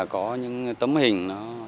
có những tấm hình